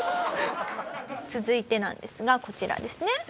続いてなんですがこちらですね。